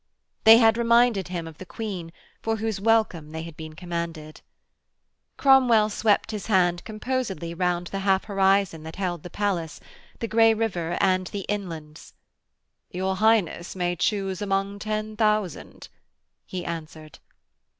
They had reminded him of the Queen for whose welcome they had been commanded. Cromwell swept his hand composedly round the half horizon that held the palace, the grey river and the inlands. 'Your Highness may choose among ten thousand,' he answered.